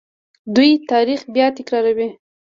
دوی تاریخ بیا تکراروي.